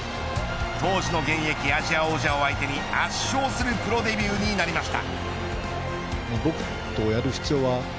当時の現役アジア王者を相手に圧勝するプロデビューになりました。